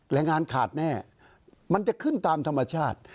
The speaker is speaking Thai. แรงงานขาดแน่มันจะขึ้นตามธรรมชาติ